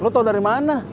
lu tau dari mana